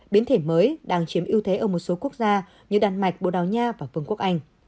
biến thể mới đang chiếm ưu thế ở một số quốc gia như đan mạch bồ đào nha và vương quốc anh